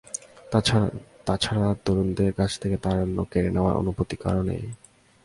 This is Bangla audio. তাছাড়া, তরুণদের কাছ থেকে তারুণ্য কেড়ে নেওয়ার অনুমতি কারো নেই।